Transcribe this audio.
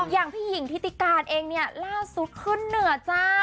อย่างพี่หญิงทิติการเองเนี่ยล่าสุดขึ้นเหนือจ้า